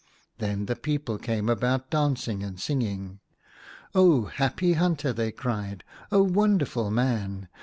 Then the people came about dancing and singing. " Oh, happy hunter !" they cried. " Oh, wonderful man